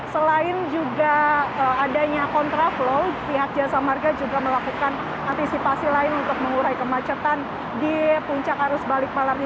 selain juga adanya kontraflow pihak jasa marga juga melakukan antisipasi lain untuk mengurai kemacetan di puncak arus balik malam ini